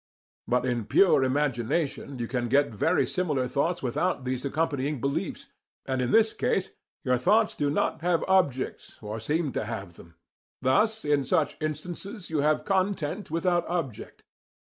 But in pure imagination you can get very similar thoughts without these accompanying beliefs; and in this case your thoughts do not have objects or seem to have them. Thus in such instances you have content without object.